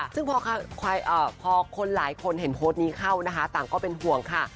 ซึ่งพอคนหลายคนเห็นโพสต์นี้เข้านะคะต่างก็เป็นห่วงค่ะ